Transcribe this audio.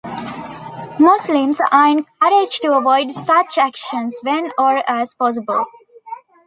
Muslims are encouraged to avoid such actions when or as possible.